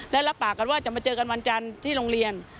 และรับปากกันว่าจะมาเจอกันวันจันทร์ที่โรงเรียน